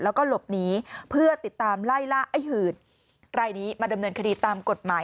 แล้วก็หลบหนีเพื่อติดตามไล่ล่าไอ้หืดรายนี้มาดำเนินคดีตามกฎหมาย